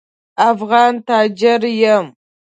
افغان تاجر یم.